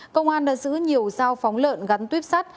công an đã giữ nhiều dao phóng lợn gắn tuyếp sắt